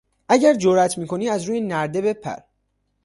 اگر جرات میکنی از روی نرده بپر!